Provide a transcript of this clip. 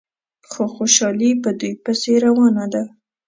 خو خوشحالي په دوی پسې روانه ده.